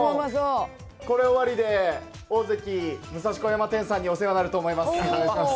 これ終わりでオオゼキ武蔵小山店さんにお世話になると思います。